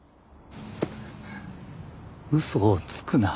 嘘をつくな。